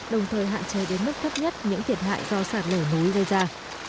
đồng thời hạn chế đến mức thấp nhất những thiệt hại do sạt lở núi gây ra